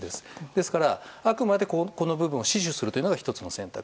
ですから、あくまでこの部分を死守するというのが１つの選択。